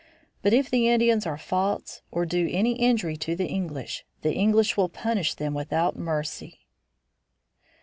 But if the Indians are false or do any injury to the English, the English will punish them without mercy."